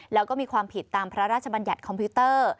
แล้วก็มีความผิดตามพระราชบัญญัติคอมพิวเตอร์